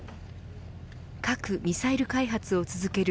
核・ミサイル開発を続ける